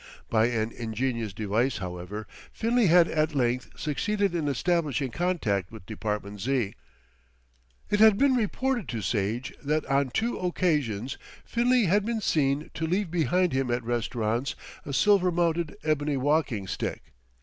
By an ingenious device, however, Finlay had at length succeeded in establishing contact with Department Z. It had been reported to Sage that on two occasions Finlay had been seen to leave behind him at restaurants a silver mounted ebony walking stick.